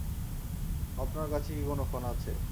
আপনার কাছে কি কোন ফোন আছে?